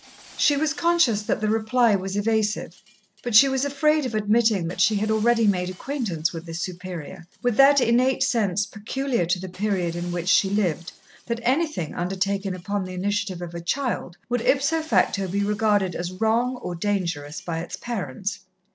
She was conscious that the reply was evasive, but she was afraid of admitting that she had already made acquaintance with the Superior, with that innate sense, peculiar to the period in which she lived, that anything undertaken upon the initiative of a child would ipso facto be regarded as wrong or dangerous by its parents.